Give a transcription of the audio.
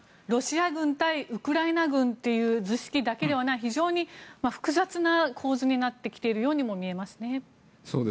ロシア軍対ウクライナ軍という図式だけではない非常に複雑な構図になってきているようにも見えますね。